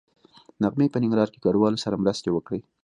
نغمې په ننګرهار کې کډوالو سره مرستې وکړې